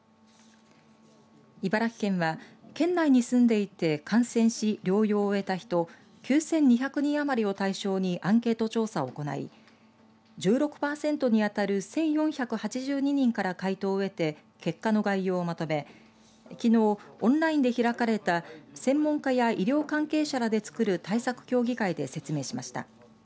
茨城県は県内に住んでいて、感染し療養を終えた人９２００人余りを対象にアンケート調査を行い１６パーセントにあたる１４８２人から回答を得て結果の概要をまとめきのう、オンラインで開かれた専門家や医療関係者らで作る対策協議会で説明しました。